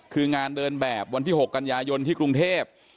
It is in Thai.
คืองานเดินแบบวันที่๖กันยายนที่กรุงเทพ